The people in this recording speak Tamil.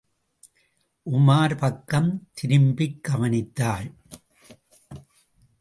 உமார் பக்கம் திரும்பிக் கவனித்தாள்.